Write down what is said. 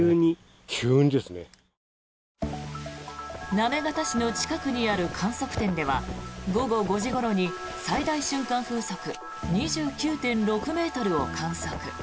行方市の近くにある観測点では午後５時ごろに最大瞬間風速２９．６ｍを観測。